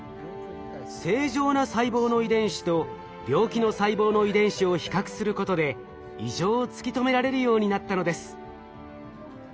正常な細胞の遺伝子と病気の細胞の遺伝子を比較することで異常を突き止められるようになったのです。